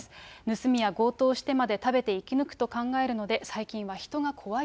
盗みや強盗をしてまで食べて生き抜くと考えるので、最近は人が怖